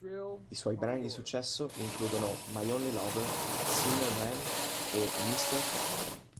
I suoi brani di successo includono "My Only Lover", "Sinner Man" e "Mr. Cop".